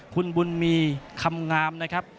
คุณบุญมีคำงามนะครับ